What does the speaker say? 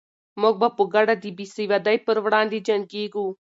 موږ به په ګډه د بې سوادۍ پر وړاندې جنګېږو.